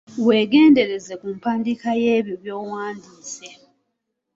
Weegendereze ku mpandiika y’ebyo by’owandiise.